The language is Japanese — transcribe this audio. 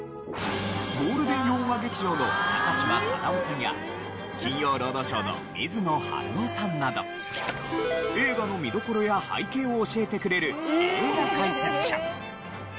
『ゴールデン洋画劇場』の高島忠夫さんや『金曜ロードショー』の水野晴郎さんなど映画の見どころや背景を教えてくれる映画解説者。